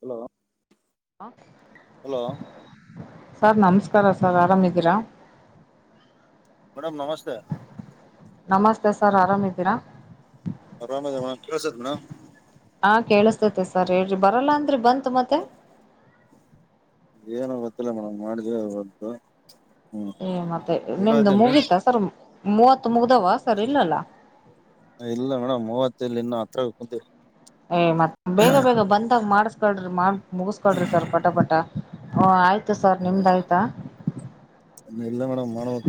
Hello [unintelligible] hello sir ನಮಸ್ಕಾರ sir ಆರಾಮಿದ್ದೀರಾ madam ನಮಸ್ತೆ ನಮಸ್ತೆ ಸರ್ ಆರಾಮಿದ್ದೀರಾ ಆರಾಮ ಕೇಳಸದನಾ ಹಾ ಕೇಳಿಸತೈತೆ ಸರ್ ಹೇಳ್ರಿ ಬರಲ್ಲ ಅಂದ್ರರಿ ಬಂತು ಮತ್ತೆ ಏನ ಗೊತ್ತಿಲ್ಲ ಮೇಡಮ್ ಮಾಡಿದ್ವಿ ಬಂತು ಏ ಮತ್ತೆ ನಿಮ್ದು ಮುಗೀತಾ ಸರ್ ಮೂವತ್ತು ಮುಗ್ದವ ಸರ್ ಇಲ್ಲಲ್ಲ ಇಲ್ಲ ಮೇಡಮ್ ಮೂವತ್ತಲ್ಲಿ ಇನ್ನು ಹತ್ರ ಕುಂತೀರಿ ಏ ಮತ್ತ ಬೇಗ ಬೇಗ ಬಂದಾಗ ಮಾಡಸ್ಕಳ್ರಿ ಮಾಡ ಮುಗಸ್ಕಳ್ರಿ ಸರ್ ಪಟ ಪಟ ಹ ಆಯ್ತು ಸರ್ ನಿಮ್ದ ಆಯ್ತಾ ನಮ್ ಇಲ್ಲ ಮೇಡಮ್ ಮಾಡುಬೇಕ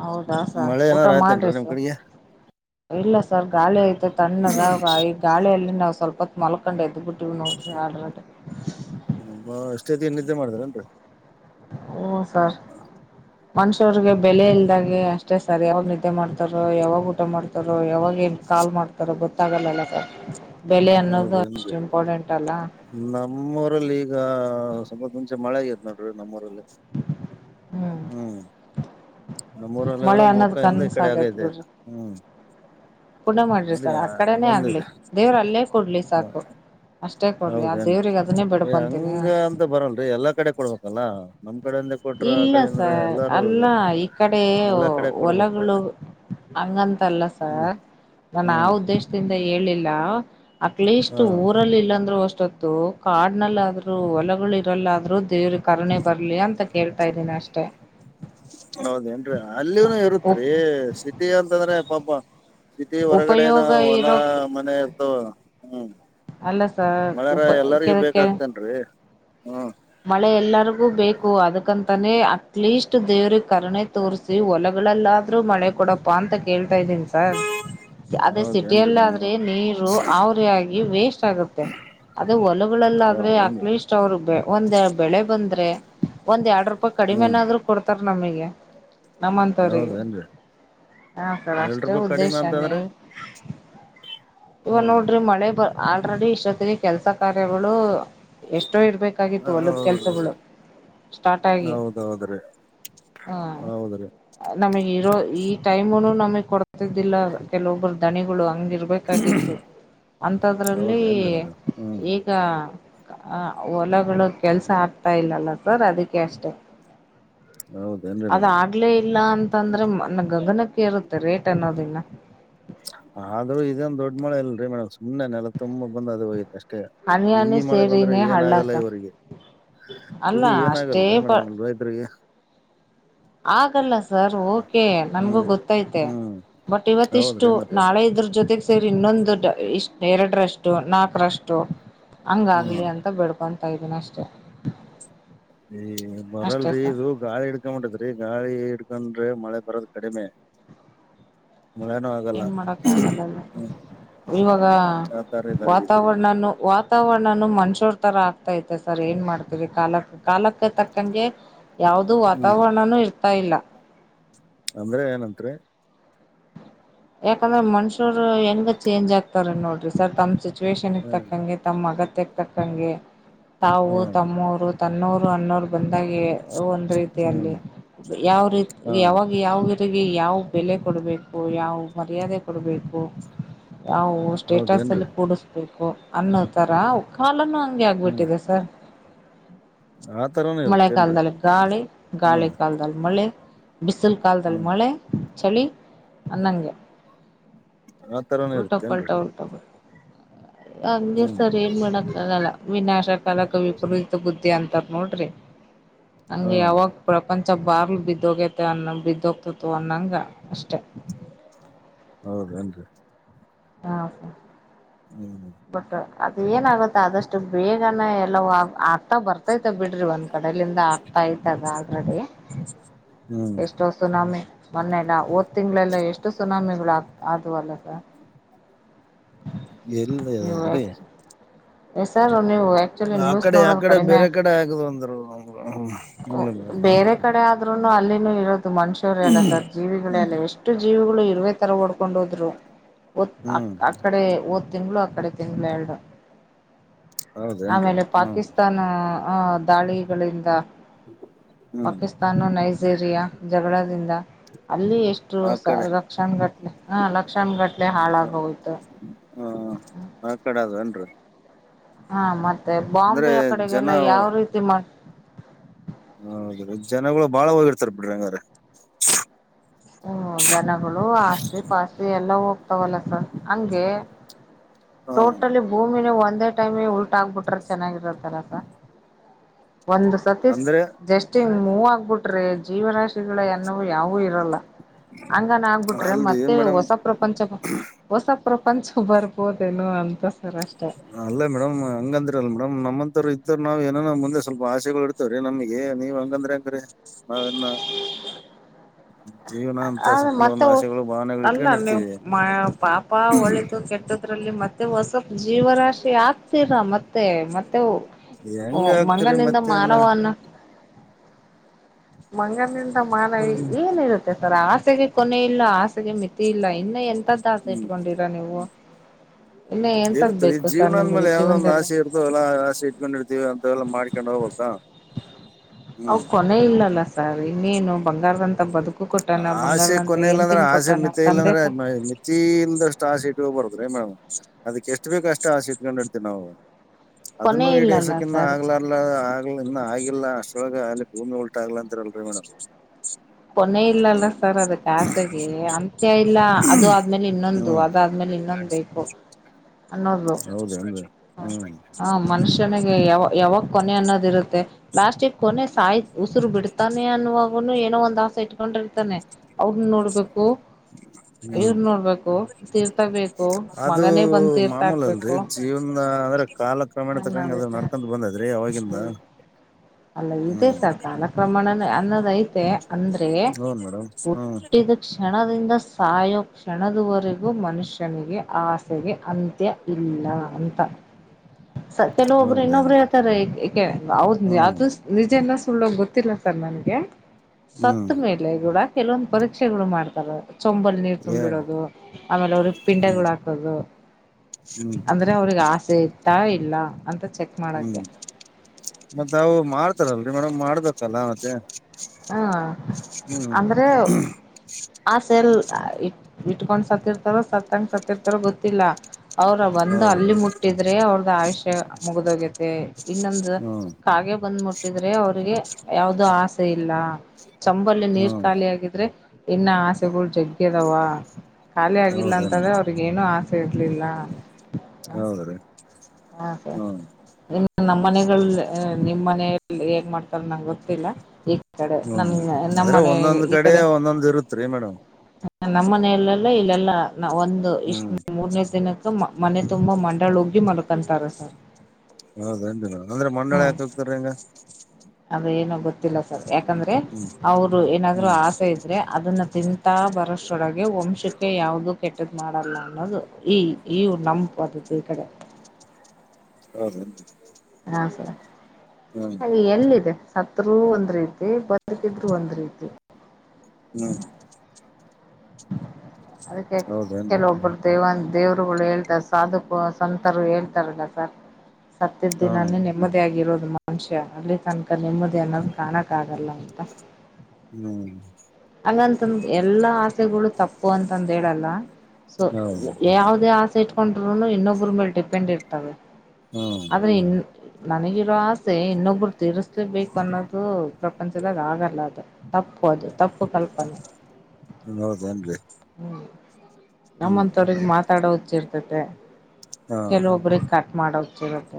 ಹೌದಾ ಸರ್ ಊಟ ಮಾಡ್ರಿ ಸರ್ ಇಲ್ಲ ಸರ್ ಗಾಳಿ ಐತೆ ತಣ್ಣಗ ಈ ಗಾಳಿಯಲ್ಲಿ ನಾವು ಸ್ವಲ್ಪ ಮಲಕೊಂಡ ಎ್ದ ಬಿುಟ್ಟಿ ನೋ ಆರ್ಡರ್ [unintelligible] ಅಷ್ಟೇತಿ ನಿದ್ದೆ ಮಾಡ್ತಾರೇನ್ರಿ ಹ್ಮ್ ಸರ್ ಮನುಷ್ಯವ್ರಿಗೆ ಬೆಲೆ ಇಲ್ದಾಗೆ ಅ ಅಷ್ಟೇ ಸರ್ ಯಾವಾಗ ನಿದ್ದೆ ಮಾಡ್ತಾರೋ ಯಾವಾಗ ಊಟ ಮಾಡ್ತಾರೋ ಯಾವಾಗ ಏನ್ ಕಾಲ್ ಮಾಡ್ತಾರ ಥರ ಗೊತ್ತಾಗಲ್ಲಲ್ಲ ಸರ್ ಬೆಲೆ ಅನ್ನೋದು ಅಷ್ಟು ಇಂಪಾರ್ಟೆಂಟ್ ಅಲ್ಲ ನಮ್ಮೂಊರಲ್ಲಿ ಈಗ ಸ್ವಲ್ಪ ಹೊತ್ತು ಮುಂಚೆ ಮಳೆ ಆಗ್ಯದ ನೋಡ್ರಿ ನಮ್ಮೂಊರಲ್ಲಿ ಹ್ಮ್ ಹ್ಮ್ ಮಳೆ ನಮ್ಮೂರಲ್ಲಂದ್ರ ಅನ್ನೋದ್ ಮೊಕ ಇಿಂದ ಈ ಕನ್ಸ ಕಡೆ ಆಗೈತೆ ಹ್ಮ್ ಪೂನ ಮಾಡ್ರಿ ಇಲ್ಲಿ ಸರ್ ಆ ಕಡೆನೇ ಆಗ್ಲಿ ಬಂದಿದೆ ದೇವ್ರ ಅಲ್ಲೇ ಕೊಡ್ಲಿ ಸಾಕು ಅಷ್ಟೇ ಕೊಡ್ಲಿ ಆ ದೇವ್ರಿಗೆ ಅದನ್ನೇ ಬಿಡ್ಕೊಂತೀಿನಿ ಬರಲ್ರರಿ ಎಲ್ಲಾ ಕಡೆ ಕೊಡ್ಬೇಕಲ್ಲ ನಮ್ಮ್ ಕಡೆಂದೆ ಇಲ್ಲ ಸರ್ ಅಲ್ಲ ಈ ಕಡೆ ಎಲ್ಲಾ ಕಡೆ ಕೊಡ್ಬೇಕು ಹೊಲಗಳು ಹಂಗಂತಲ್ಲ ಹ್ಮ್ ಸರ್ ನಾನು ಆ ಹ್ಮ್ ಉದ್ದೇಶದಿಂದ ಹೇಳಿಲ್ಲ ಅಟ್ಲೀಸ್ಟ್ ಹಾ ಊರಲ್ಲಿ ಇಲ್ಲಾಂದ್ರರು ಅಷ್ಟೊ ಕಾಡ್ನಲ್ಲಾದ್ರರು ಹೊಲಗಳು ಇರಲ್ಲ ಆದ್ರರು ದೇವ್ರ ಕರಣೆ ಬರ್ಲಿ ಅಂತ ಹೇಳ್ತಾ ಇದ್ದೀನಿ ಅಷ್ಟೇ ಹೌದೇಏನ್ರಿ ಅಲ್ಲಿನು ಉಪ್ ಇರುತ್ರಿ ಸಿಟಿ ಅಂತಂದ್ರೆ ಪಾಪ ಸಿಟಿ ಹೊರಗಡೆ ಉಪಯೋಗ ನಾವು ಹೊಲಾ ಇರೋ ಮನೆ ಇರ್ತವ ಹ್ಮ್ ಅಲ್ಲ ಸರ್ ಉಪ ಮಳೆರರಎಲ್ಲರಿಗೂ ಕೆಲ ಕೆ ಬೇಕಾಗ್ತೇನ್ೀ ಹ್ಮ ಮಳೆ ಎಲ್ಲರಿಗೂ ಬೇಕು ಅದಕ್ಕಂತಾನೇ ಅಟ್ಲೀಸ್ಟ್ ದೇವ್ರ ಕರಣೆ ತೋರ್ಸ ಅದೆ ಒಲಗಳಲ್ಲಾದ್ರೂ ಮಳೆ ಕೊಡಪ್ಪಾ ಅಂತ ಕೇಳ್ತಾ ಇದ್ದೀನಿ. ಹಾ ಅದೇ ಹೌದೇನ್ರಿ ಮೇಡಮ್ ಸಿಟಿಯಲ್ಲಾದ್ರೆ ನೀರು ಆವ್ರೆ ಆಗಿ ವೇಸ್ಟ್ ಆಗುತ್ತೆ. ಅದೇ ಹೊಲಗಳಲ್ಲಾದ್ರೆ ಹೌದೇನ್ರಿ ಅಟ್ಲೀಸ್ಟ್. ಅವ್ರ ಒಂದ ಬೆಳೆ ಬಂದ್ರೆ ಒಂದ್ ಎರಡ್ ರೂಪಾಯಿ ಕಡಿಮೆ ಹ್ಮ್ ನಾದ್ರು ಕೊಡ್ತಾರ ನಮಿಗೆ. ನಮ್ಮಂತವ್ರಿಗೆ ಹೌದೇನ್ರಿ ಹ ಸರ್ ಎರಡ್ ಅಷ್ಟೇ ರೂಪಾಯಿ ಉದ್ದೇಶ ಕಡಿಮೆ ನೀ ಅಂತಂದ್ರೆ ಇವ ಹ್ಮ್ ನೋಡ್ರಿ ಮಳೆ ಬ ಆಲ್ರೆಡಿ ಇಷ್ಟತ್ಕಿಗೆ ಕೆಲ್ಸ ಕಾರ್ಯಗಳು ಎಷ್ಟೋ ಇರ್ಬೇಕ ಕಾಗಿತ್ತು ಹೊಲದ್ ಹೌದ್ರಿ ಕೆಲ್ಸಗಳು ಸ್ಟಾರ್ಟ್ ಆಗಿ. ಹಾ ಹೌದ್ರೀ ನಮಗ್ ಇರೋ ಈ ಟೈಮ್ನು ನಮಗ್ ಕೊಡ್ತಿದ್ದಿಲ್ಲ ಕೆಲವೊಬ್ಬರು ದಣಿಗಳು ಹಂಗಿರ್ಬೇಕು ಕಾಗಿತ್ತು ಅಂತದ್ರಲ್ಲಿ ಹೌದೇನ್ರಿ ಮೇಡಮ್ ಹ್ಮ್ ಇ ಗ ಅ ಹೊಲ ಗಳ್ ಕೆಲಸ ಆಗ್ತಾ ಇಲ್ಲಲ್ಲ ಸರ್ ಅದಕ್ಕೆ ಅಷ್ಟೇ. ಹೌದೇನ್ರಿ ಮೇಡಮ್ ಅದ ಆಗ್ಲೇ ಇಲ್ಲ ಅಂತಂದ್ರೆ ನ ಗಗನಕ್ಕೇರುತ್ತೆ ರೇಟ್ ಅನ್ನೋದಿನ್ನ. ಆದ್ರೂ ಇದೆನ್ ದೊಡ್ಡ ಮಳೆ ಇಲ್ರಿ ಮೇಡಮ್ ಸುಮ್ನೆ ನೆಲ ತುಂಬಾ ಬಂದ ಅದ ಹೋಗೈತೆ ಅಷ್ ಟೆ ಹನಿ ಈ ಹನಿ ಮಳೆ ಬಂದ್ರೆ ಸೇರಿನೇ ಏನ ಹಳ್ಳ ಆಗಲ್ಲ ಸರ್ ಇವರಿಗೆ. ಅಲ್ಲ ಇದು ಏನ ಅಷ್ಟೇ ಆಗಲ್ರಿ ಬ ಮೇಡಮ್ ಇಲ್ ರೈತರಿಗೆ. ಆಗಲ್ಲ ಸರ್ ಓಕೆ ನನ್ಗೂ ಹ್ಮ್ ಗೊತ್ತೈತೆ ಹ್ಮ್ ಬಟ್ ಇವತ್ ಇಷ್ಟು ಹೌದ್ರಿ ಇಷ್ಟು ಮತ್ತೆ ನಾಳೆ ಇದ್ರ ಜೊತೆಗೆ ಸೇರಿ ಇನ್ನೊಂದು ಇಷ್ಟ್ ಎರಡರಷ್ಟು ನಾಕರಷ್ಟು. ಹ್ಮ್ ಹಂಗಾಗ್ಲಿ ಅಂತ ಬೆಡ್ಕೊಂತಾ ಇದೀನಿ ಅಷ್ಟೇ. ಈ ಅಷ್ಟೇ ಬರಲ್ರರಿ ಸರ್ ಇದು ಗಾಳಿ ಹಿಡ್ಕಂಬಿಟತ್ರಿ ಗಾಳಿ ಹಿಡ್ಕೊಂಡ್ರೆ ಮಳೆ ಬರದ ಕಡಿಮೆ. ಮಳೆನು. ಏನ್ ಮಾಡಕ ಆಗಲ್ಲ ಅಲ ಇವಾಗ ಆತರ ಇದಾಗಿದೆ ವಾತಾವರಣನು ವಾ ವಾತಾವರ್ಣನು ಮನ್ಷ್ಯರ್ ತರ ಆಗ್ತೈತೆ ಸರ್ ಏನ್ ಮಾಡ್ತರಿ ಕಾಲಕ್ಕ ಕಾಲಕ್ಕೆ ತಕ್ಕಂಗೆ. ಯಾವ್ದು ಹ್ಮ್ ವಾತಾವರಣನೂ ಇರ್ತಾ ಇಲ್ಲ. ಅಂದ್ರೆ ಏನಂತ್ರಿ. ಯಾಕಂದ್ರೆ ಮನುಷ್ಯರು ಹೆಂಗ ಚೇಂಜ್ ಆಗ್ತಾರ ನೋಡ್ರಿ ಸರ್ ತಂಸಿ ಸಿಚುವೇಷನ್ಗೆ ಹ್ಮ್ ತಕ್ಕಂಗೆ ತಮ್ಮ ಅಗತ್ಯಕ್ಕೆ ತಕ್ಕಂಗೆ ತಾವು ಹ್ಮ್ ತಮ್ಮವರು. ತನ್ನೋರು ಅನ್ನೋರು ಬಂದಾಗೆ. ಒಂದ್ ಹ್ಮ್ ರೀತಿಯಲ್ಲಿ ಯಾವ ರೀತಿ ಹಾ ಯಾವಾಗ ಯಾವ ಯಾವ ಬೆಲೆ ಕೊಡಬೇಕು ಯಾವ ಮರ್ಯಾದೆ ಕೊಡಬೇಕು ಯಾವ ವಸ್ ಹೌದೇನ್ರಿ ಸ್ಟೇಟಸಲ್ಲಿ ಕೂಡಿಸ್ಬೇಕು ಅನ್ನೋ ಥರ ಕಾಲನು ಹಂಗೆ ಆಗ್ಬಿಟ್ಟಿದೆ ಸರ್. ಚಾ ತರ ಮಳೆ ಕಾಲದಲ್ಲಿ ಗಾಳಿ ಗಾಳಿ ಕಾಲದಲ್ಲಿ ಮಳೆ ಬಿಸಿಲು ಕಾಲದಲ್ಲಿ ಹ್ಮ್ ಮಳೆ. ಚಳಿ ಅಂದಗೆ. ಆ ತರಾನೆ ಇರುತ್ತೇನ್ರಿ. ಹಂಗೆ ಹ್ಮ್ ಸರ್ ಏನ್ ಮಾಡನ. ನ್ನಲ್ಲ ವಿನಾಶ ಕಾಲಕ ವಿಪರೀತ ಬುದ್ಧಿ ಅಂತಾರ ನೋಡ್ರಿ. ಹಾ ಹಂಗೆ ಯಾವಾಗ ಪ್ರಪಂಚ ಬಾರ್ಲ್ ಬಿದ್ದೋಗ್ಯತೆ ಅನ್ನ ಬಿದ್ದೋಗ್ತತ್ತು ಅನ್ನಂಗ ಅಷ್ಟೆ. ಹೌದನ್ರಿ. ಹಾ ಹ್ಮ್ ಹ್ಮ ಬಟ್ ಅದ ಏನಾಗುತ್ತೆ ಆದಷ್ಟು ಬೇಗನೆ ಎಲ್ಲವು ಆಗ್ತಾ ಬರ್ತ ತೈತೆ ಬಿಡ್ರಿ ಒಂದ್ ಕಡೆಲಿಂದ ಆಗ್ತಾತೆ ಅದ ಆಲ್ರೆಡಿ. ಹ್ಮ್ ಎಷ್ಟೋ ಸುನಾಮಿ ಮೊನ್ನೆಲ್ಲ ಹೊದ್ತಿಂಗಳೆಲ್ಲ ಎಷ್ಟು ಸುನಾಮಿಗಳು ಆತ್ ಆದುವಲ್ಲ ಸರ್. ಎಲ್ಲ್ ಯದಾದ್ರೀ. ಎಸರ ಹ [unintelligible] ಆ ಕಡೆ ಆ ಕಡೆ ಬೇರೆ ಕಡೆ ಆಗದು ಅಂದರು. ಬೇರೆ ಕಡೆ ಆದ್ರುನು ಅಲ್ಲಿನೂ ಇರೋದು ಮನುಷ್ಯರೆ ಅಲ್ಲ ಸರ್. ಜೀವಿಗಳ ಎಲ್ಲ ಎಷ್ಟು ಜೀವಿಗಳು ಇರುವೇ ತರ ಓಡ್ಕೊಂಡ್ ಹೋದ್ರು ಹ್ಮ್ ಅಕಡೆ ತಿಂಗಳು ಆ ಕಡೆ ತಿಂಗಳುಎರಡು ಹೌದೇನ್ರಿ ಆಮೇಲೆ ಹ್ಮ್ ಪಾಕಿಸ್ತಾನ. ಹ, ದಾಳಿಗಳಿಂದ [inaudible] ಪಾಕಿಸ್ತಾನ, ನೈಜೀರಿಯಾ ಜಗಳದಿಂದ ಅಲ್ಲಿ ಎಷ್ಟು ಆ ಸ ಕಡೆ ಲಕ್ಷಣ ಗಟ್ಟಲೆ ಹ ಲಕ್ಷಣಗಟ್ಟಲೆ ಹಾಳಾಗೋಯ್ತು. ಹ್ಮ, ಆ ಕಡೆ ಅದ ನ್ರಿ ಹಾ, ಮತ್ತೆ ಬಾಂಬೆ ಜನ ಆಕಡೆಗೆಲ್ಲ ಯಾವ ರೀತಿ ಮಾಡ ಹೌದ, ಜನಗಳು ಬಾಳ ಹೋಗಿರ್ತಾರ ಬಿಡ್ರಿ ಹಂಗಾರ. ಹ್ಮ ಜನಗಳು ಆಸ್ತಿ ಪಾಸ್ತಿ ಎಲ್ಲ ಹೋಗ್ತಾವಲ್ಲ ಸರ್ ಹಂಗೆ. ಹ ಟೋಟಲಿ ಭೂಮಿನೇ ಒಂದೇ ಟೈಮ ಉ ಬಿಟ್ರೆ ಚೆನ್ನಾಗಿರತ್ತಲ ಸಾರ್ ಒಂದ ಸತಿ ಅಂದ್ರೆ ಜಸ್ಟ್ ಅಷ್ಟ್ ಮೂವ್ ಆಗ್ಬಿಟ್ರೆ ಜೀವರಾಶಿಗಳ ಎನ್ನವು ಯಾವೂ ಇರಲ್ಲ. ಹಂಗನ ಆಗ್ಬಿಟ್ರೆ ಅಲ್ರಿ ಮತ್ತೆ ಮೇಡಮ್ ಹೊಸ ಪ್ರಪಂಚ ಪ್ರಪಂಚ ಹೊಸ ಪ್ರಪಂಚ ಬರ್ಬೋದೇನೋ ಅಂತ ಸರ್ ಅಷ್ಟೇ. ಅಲ್ಲ ಮೇಡಮ್ ಹಂಗ ಅಂದ್ರ ಅಲ್ಲ ಮೇಡಮ್ ನಮ್ಮಂತವರ್ ಇದ್ರವು ಎನೋ ಮುಂದೆ ಸ್ವಲ್ಪ ಆಸೆಗಳು- ಇತ್ರೀ ನಮ್ಗೆ ನೀವ್ ಹಂಗಂದ್ರೆ ಹೆಂಗ್ರೀ ನಾವೆಲ್ಲ ಜೀವನ ಅಂತ ಆದ ಮತ್ತೆ ಕೆಲವೊಂದು ಆಸೆಗಳು ಭಾವನೆಗಳು ಅಲ್ಲ ನೀವು ಇಟ್ಕೊಂಡಿರ್ತೀವಿ ಪಾಪ ಒಳ್ಳೇದು ಕೆಟ್ಟದ ಅದರಲ್ಲಿ ಮತ್ತೆ ಹೊಸ ಜೀವರಾಶಿ ಆಗ್ತೀರ ಮತ್ತೆ ಮತ್ತೆ- ಓ, ಹೆಂಗ ಆಗ್ತರಿ ಮಂಗನಿಂದ ಮತ್ತೆನ್ನ ಮಾನವ ಅನ್ನ- ಮಂಗನಿಂದ ಮಾನ ಹ್ಮ್ ಏನಿರುತ್ತೆ ಸರ್, ಆಸೆಗೆ ಕೊನೆ ಇಲ್ಲ ಆಸೆ- ಮಿತಿ ಇಲ್ಲ ಇನ್ನು ಎಂತ ದಾಸ ಹ್ಮ್ ಇಟ್ಕೊಂಡಿರಾ ನೀವು. ಇನ್ನ ಎಂತದ್ಬೇಕು ಸರ್ ನಿಮಗೆ ಜೀವನದಲ್ಲಿ. ಅ ಎಲ್ಲಾ ಆಸೆ ಇಟ್ಕೊಂಡ್ರ್ತೀವಿ ಅಂತ ಎಲ್ಲ ಮಾಡ್ಕೊಂಡ್ ಹೋಗ್ಬೇಕ. ಅವ ಹ್ಮ್ ಕೊನೆ ಇಲ್ಲಲ್ಲಾ ಸರ್ ಇನ್ನೇನು ಬಂಗಾರದಂತ ಬದುಕ ಆಸೆಗೆ ಕೊನೆ ಇಲ್ಲಾಂದ್ರೆ ಆಸೆ ಮಿತಿ ತಂದೆ ಇಲ್ಲಾಂದ್ರೆ ತ [unintelligible] ತಿ ಇಲ್ಲದಷ್ಟು ಆಸೆ ಇಟ್ಕೋ ಬಾರ್ದು ಮೇಡಮ್ ಅದಕ್ಕೆ ಎಷ್ಟು ಬೇಕಷ್ಟೇ ಆಸೆ ಇಟ್ಕೋಂಡಿರ್ತಿವ್ ನಾವು. ಕೊನೆ ಅದನ್ನು ಇಲ್ಲಲ್ಲ ಈಡೇರ್ಸಕಿನ್ನ ಸರ್ ಆಗ್ಲಾರಾದ ಲ್ಲ ಆಗ್ ಇನ್ನು ಆಗಿಲ್ಲಾ ಅಷ್ಟೊಳಗೆ ಅಲ್ಲಿ ಭೂಮಿ ಉಲ್ಟಾಗ್ಲ ಅಂತರಲ್ರಿ ಮೇಡಮ್. ಕೊನೆ ಇಲ್ಲಲ್ಲ ಸರ್ ಅದ ಆಸೆಗೆ ಅಂತ್ಯ ಇಲ್ಲ ಅದು ಆದ್ಮೇಲೆ. ಲೆ ಇನ್ನೊಂದು ಹ್ಮ್ ಅದಾದ್ಮೇಲೆ ಇನ್ನೊಂದು ಬೇಕು. - ಅನ್ನೋದು ಹೌದೇನ್ರಿ ಹ್ಮ್ ಹ ಮನುಷ್ಯ ಯಾವ ಯಾವಾಗ ಕೊನೆ ಅನ್ನೋದ ಇರುತ್ತೆ ಪ್ಲಾಸ್ಟಿಕ್ ಕೊನೆ ಸಾಯ ಉಸಿರು ಬಿಡ್ತಾನೆ ಅನ್ನುವಾಗ ಏನೋ ಒಂದ್ ಆಸೆ ಇಟ್ಕೊಂಡಿರ್ತಾನೆ. ಅವ್ರನ್ನ ನೋಡ್ಬೇಕು. ಹ್ಮ್ ಇವರ್ನ ನೋಡ್ಬೇಕು ತೀರ್ತಬೇಕು ಅದು ಮಗನೇ ಬಂದ್ ತೀರ್ಥ ಮಾಮೂಲ್ ಅಲ್ರಿ ಹಾಕ್ಬೇಕು. ಜೀವನ ಅಂದ್ರೆ ಕಾಲ ಕ್ರಮೇಣ ತಕ್ಕಂಗೆ ಅದ ಅನ್ನೋದೈತೆ ನಡ್ಕೊಂಡು ಬಂದದ್ರಿ ಆವಾಗಿಂದ. ಹ್ಮ್ ಅಲ್ಲ ಇದೆ ಸರ್ ಕಾಲಕ್ರಮಣ ಅನ್ನೋದೈತೆ ಅಂದ್ರೆ ಹೌದ್ ಮೇಡಮ್ ಹ್ಮ್ ಹುಟ್ಟಿದ. ಕ್ಷಣದಿಂದ ಸಾಯೋ ಕ್ಷಣದವರೆಗೂ ಮನುಷ್ಯನಿಗೆ ಆ ಆಸೆಗೆ ಅಂತ್ಯ ಇಲ್ಲ ಅಂತ. ಹ [inaudible] ಕೆಲವೊಬ್ರು ಇನ್ನೊಬ್ರು ಹೇಳ್ತಾರೆ ಯ ಹ್ಮ್ [unintelligible] ನಿಜನ ಸುಳ್ಳ ಗೊತ್ತಿಲ್ಲ ಸರ್ ನನ್ಗೆ ಹ್ಮ್ ಸತ್ ಮೇಲೆ ಕೂಡ ಕೆಲವೊಂದು ಪರೀಕ್ಷೆಗಳು ಮಾಡ್ತಾರೆ ಚಂಬ ನೀರು ಹ್ಮ್ ತುಂಬಿಡೋದು ಆಮೇಲೆ ಅವ್ರ ಪಿಂಡಗಳು ಹಾಕದು ಹ್ಮ್ ಅದು ಅವ್ರಿಗೆ ಆಸೆ ಇರ್ತಾ ಇಲ್ಲ ಅಂತ ಚೆಕ್ ಹ್ಮ್ ಮಾಡಕ್ಕೆ ಮತ್ತವು ಮಾಡ್ತಾರಲ್ರರಿ ಮೇಡಂ ಮಾಡ್ಬೇಕಲ್ಲ ಮತ್ತೆ ಹಾ ಹ್ಮ್ ಅಂದ್ರೆ ಆಸೆ ಎಲ್ ಇಟ್ಕೊಂಡ್ ಸತ್ತರ್ತಾರ ಸತ್ತಂಗ ಸತ್ತರ್ತಾರ ಗೊತ್ತಿಲ್ಲ. ಅವ್ರ ಬಂದು ಹೌದ್ರಿ ಅಲ್ಲಿ ಮುಟ್ಟಿದ್ರೆ ಅವ್ರ್ದ ಆಯುಷ್ಯ ಮುಗ್ದೋಗ್ಯತೆ ಇನ್ನೊಂದು ಹ್ಮ್ ಕಾಗೆ ಬಂದ್ ಮುಟ್ಟಿದ್ರೆ ಅವ್ರಿಗೆ ಯಾವ್ದೋ ಆಸೆ ಇಲ್ಲ ಚಂಬಲ್ಲಿ ನೀರ್ ಹ್ಮ್ ಖಾಲಿ ಆಗಿದ್ರೆ ಇನ್ನ ಆಸೆಗಳು ಜಗ್ಗ್ಯದವ ಖಾಲಿ ಆಗಿಲ್ಲ ಹೌದೇನ್ ಅಂತಂದ್ರೆ ಅವ್ರಿಗ ಏನು ಆಸೆ ಇರ್ಲಿಲ್ಲ ಹ್ಮ ಹೌದ್ರಿ ಹಾ ಸ ಹ್ಮ್ ಇನ್ನು ನಮ್ಮ್ ಮನೆ ನಿಮ್ಮ್ ಮನ ಹೇಗ್ ಮಾಡ್ತಾರ ನಂಗೆ ಗೊತ್ತಿಲ್ಲ ಈ ಕಡೆ ನನ್ ಹ್ಮ್ ನಮ್ಮ ಆದ್ರೆ ಮನೆ ಒಂದೊಂದ್ ಈ ಕಡೆ ಒಂದೊಂದ್ ಇರುತ್ರಿ ಮೇಡಮ್ ನ ನಮ್ಮ ಮನೆಯಲ್ಲೆಲ್ಲ ಇಲ್ಲೆಲ್ಲಾ ನಾ ಒಂದು ಹ್ಮ್ ಇಷ್ಟ ಮೂರನೇ ದಿನಕ್ಕೆ ಮನೆ ತುಂಬಾ ಮಂಡಳು ಹೋಗಿ ಮಲ್ಕಂತಾರ ಸರ್ ಹೌದ ಅಂದ್ರೆ ಮಂಡಳಿ ಹ್ಮ್ ಯಾಕ ಹೋಗತರಿ ಹಂಗ ಅದು ಏನೋ ಗೊತ್ತಿಲ್ಲ ಸರ್ ಯಾಕಂದ್ರೆ ಹ್ಮ್ ಅವರು ಏನಾದ್ರು ಹ್ಮ್ ಆಸೆ ಇದ್ರೆ ಅದನ್ನ ತಿನ್ ತಾ ಬರೋಷ್ಟೊಳಗೆ ವಂಶಕ್ಕೆ ಯಾವುದುೂ ಕೆಟ್ಟದ ಮಾಡಲ್ಲ ಅನ್ನೋದು ಈ ಈವು ನಮ್ಮ ಪದ್ಧತಿ ಈ ಕಡೆ ಹೌದ ಹ ಸರಿ ಹ್ಮ್ ಎಲ್ಲಿದೆ ಸತ್ರರು ಒಂದ್ ರೀತಿ ಬದುಕಿದ್ರು ಒಂದ್ ರೀತಿ ಹ್ಮ್ ಅದಕ್ಕೆ ಹೌದೇನ್ರಿ ಕೆಲವೊಬ್ಬರು ದೇವ ದೇವ್ರುಗಳು ಹೇಳ್ತಾರೆ ಸಾಧಕ ಸಂತರು ಹೇಳ್ತಾರಲ್ಲ ಸರ್ ತ ದಿನ ಹ್ಮ್ ನಾನು ಮದುವೆ ಆಾಗಿಿರೋದು ಮನುಷ್ಯ ಅಲ್ಲಿ ತನಕ ನೆಮ್ಮದಿ ಅನ್ನೋದು ಕಾಣಕ್ಕಗಲ್ಲ ಅಂತ ಹ್ಮ್ ಅಲ್ಲಂತಂದ ಎಲ್ಲಾ ಆಸೆಗಳು ತಪ್ಪು ಅಂತಂದು ಹೇಳಲ್ಲ ಸೊ ಹೌದು ಯಾವವುದೇ ಆಸೆ ಇಟ್ಕೊಂಡ್ರರುನು ಇನ್ನೊಬ್ರ ಮೇಲೆ ಡಿಪೆಂಡ್ ಇರ್ತವೆ ಹ್ಮ್ ಆದ್ರನ್ ನನಗಿರೋ ಆಸೆ ಇನ್ನೊಬ್ಬರು ತೀರ್ಸ್ಲಿೇಬೇಕು ಅನ್ನೋದು ಪ್ರಪಂಚದಾಗ ಆಗಲ್ಲ ಅದು ತಪ್ಪು ಅದು ತಪ್ಪು ಕಲ್ಪನೆ ಹ ನೌದೇನ್ರಿ ಹ್ಮ್ ನಮ್ಮಂತವ್ರಗ್ ಮಾತಾಡೋ ಹಚ್ಚಿರ್ತತೆ ಹಾ ಕೆಲವೊಬ್ರ ಕಟ್ ಮಾಡತಿರತ್ತ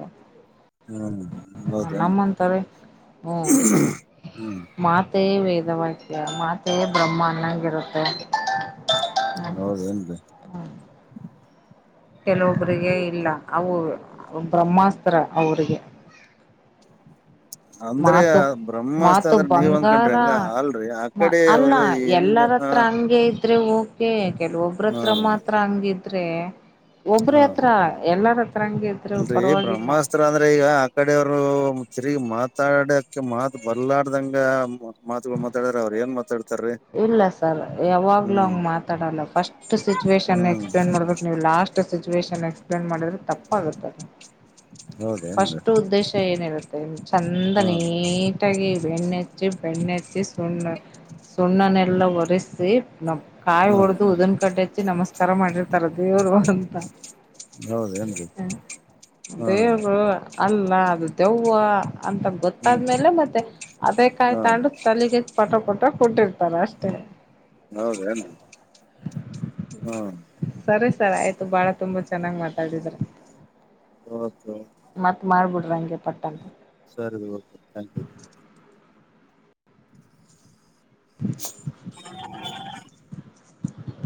ಹ್ಮ್ ಹೌದೇನ್ರಿ ನಮ್ಮಂತಾರೆ ಹ್ಮ ಹ್ಮ್ ಮಾತೆೆ ವೇದವಾಕ್ಯ ಮಾತೆಯೇ ಬ್ರಹ್ಮನ್ನಾಗಿಿರುತ್ತೆ ಹೌದೇನ್ರಿ ಕೆಲವೊಬ್ರರಿಗೆ ಇಲ್ಲ ಅವು ಬ್ರಹ್ಮಾಸ್ತ್ರ ಅವರಿಗೆ ಅಂದ್ರೆ ಮಾತು ಬ್ರಹ್ಮಾಸ್ತ್ರ ಮಾತು ಅಂದ್ರೆ ನೀವ್ ಅಂದಕೊಂಡ್ರಿ ಬಂಗಾರ ಹಂಗ್ಲ ಅಲ್ರರಿ ಆ ಕಡೆ ಅಲ್ಲ ಯಾವ್ದ ಹೆಂಗ ಎಲ್ಲರ ಹ ಹತ್ರ ಹಂಗೆ ಇದ್ರೆ ಓಕೆ ಹಾ ಕೆಲವೊಬ್ರತ್ರ ಮಾತ್ರ ಹಂಗಿದ್ರೆ ಒಬ್ರ ಹಾ ಹತ್ರ ಎಲ್ಲಾರ ಹತ್ರ ಹಂಗಗೆ ಅಲ್ರರಿ ಬ್ರಹ್ಮಾಸ್ತ್ರ ಅಂದ್ರೆ ಈಗ ಆ ಕಡೆ ಅವರು ತಿರುಗಿ ಮಾತಾಡಕೆ ಮಾತು ಬರ್ಲದಂಗ ಮಾತುಗಳು ಮಾತಾಡದ್ರೇ ಅವರು ಏನ್ ಮಾತಾಡ್ತಾರೀ ಇಲ್ಲ ಸರ್ ಯಾವಾಗ್ಲೂ ಹ್ಮ್ ಹಂಗ್ ಮಾತಾಡಲ್ಲ ಫಸ್ಟ್ ಸಿಚುವೇಷನ್ ಹ್ಮ್ ಎಕ್ಸಪ್ಲೇನ್ ಮಾಡ್ಬೇಕು ನೀವು last first situation explain ಮಾಡಿದ್ರೆ ತಪ್ಪಾಗುತ್ತೆ ಹೌದೇನ್ರಿ ಫಸ್ಟ್ ಉದ್ದೇಶ್ ಏನಿರುತ್ತೆ ಚಂದ ಹಾ ನೀಟಾಗಿ ಬೆಣ್ಣೆಚ್ಚಿ ಬೆಣ್ಣೆಚ್ಚಿ ಸುಣ್ಣ್ ಸುಣ್ಣನೆಲ್ಲ ಒರೆಸಿ ನ ಕಾಯಿ ಹಾ ಹೊಡೆದು ಉದನ್ ಕಡಿ ಹಚ್ಚಿ ನಮಸ್ಕಾರ ಮಾಡಿರ್ತಾರ ದೇವರು ಅಂತ. ಹೌದೇನ್ರಿ ಹ ಹಾ ದೇವರು ಅಲ್ಲ ಅದು ದೆವ್ವ ಅಂತ ಗೊತ್ ಹ್ಮ್ ಗೊತ್ತಾದ್ಮೇಲೆ ಮತ್ತೆ ಅದೇ ಕಾಯಿ ಹಾ ತಂಡು ತಲೆಗೆ ಪಟ ಪಟ ಕುಟ್ಟಿರ್ತಾರೆ ಅಷ್ಟೇ. ಹೌದೇನ್ ಹ್ಮ್ ಸರಿ ಸರ್ ಆಯ್ತು ಬಾಳ ತುಂಬಾ ಚೆನ್ನಾಗ್ ಮಾತಾಡಿದ್ರಿ. ಓಕೆ ಮತ್ತ್ ಮಾಡಬೂಡ್ರೀ ಹಂಗೆ ಪಟ್ಟಂತ. ಸರಿ ಓಕೆ ಥಾಂಕ್ ಯು [unintelligible] ಹ್ಮ [unintelligible]